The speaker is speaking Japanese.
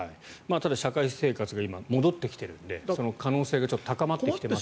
しかし社会生活が今、戻ってきているのでその可能性が高まってきていますよと。